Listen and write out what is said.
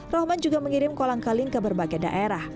rohman juga mengirim kolang kaling ke berbagai daerah